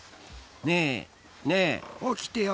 ねえ、ねえ、起きてよ。